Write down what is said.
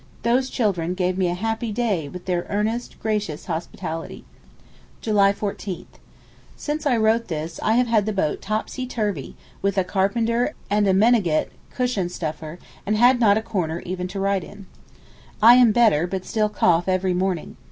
Those children gave me a happy day with their earnest, gracious hospitality. July 14_th_.—Since I wrote this, I have had the boat topsy turvy, with a carpenter and a menegget (cushion stuffer), and had not a corner even to write in. I am better, but still cough every morning.